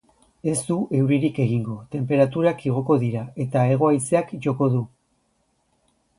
Ez du euririk egingo, tenperaturak igoko dira, eta hego-haizeak joko du.